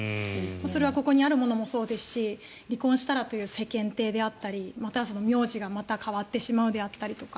それはここにあるものもそうですし離婚したらという世間体であったりまたは名字がまた変わってしまうであったりとか。